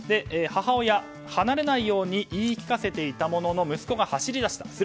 母親、離れないように言い聞かせていたものの息子が走り出した。